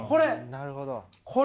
なるほど。